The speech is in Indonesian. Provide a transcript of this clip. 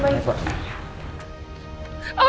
gantiin si bimbing rapat ya